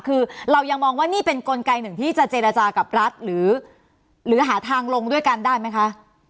คือเรายังมองว่านี่เป็นกลไกหนึ่งที่จะเจรจากับรัฐหรือหาทางลงด้วยกันได้ไหมคะ